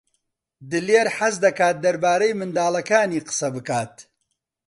دلێر حەز دەکات دەربارەی منداڵەکانی قسە بکات.